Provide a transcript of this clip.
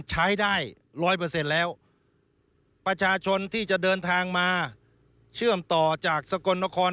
ใช้ได้ร้อยเปอร์เซ็นต์แล้วประชาชนที่จะเดินทางมาเชื่อมต่อจากสกลนคร